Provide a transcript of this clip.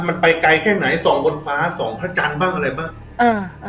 มันไปไกลแค่ไหนส่องบนฟ้าสองพระจันทร์บ้างอะไรบ้างอ่า